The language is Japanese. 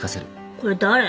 これ誰？